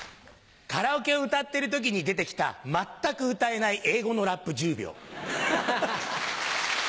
カラオケ歌ってる時に出てきた全く歌えない英語のラップ１０秒。